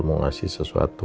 mau ngasih sesuatu